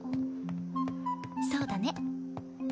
そうだね。